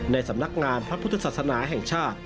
ในสำนักงานพระพุทธศาสนาแห่งชาติ